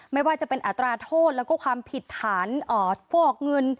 ไม่ว่าจะเป็นอัตราโทษแล้วก็ความผิดฐานฟอกเงิน